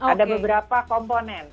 ada beberapa komponen